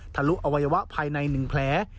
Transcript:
ลุอวัยวะภายใน๑แผล